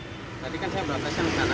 tadi kan saya beratas air di sana